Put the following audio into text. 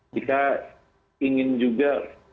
kita ingin juga